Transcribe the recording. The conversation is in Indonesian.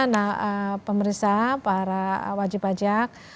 nah pemeriksa para wajib pajak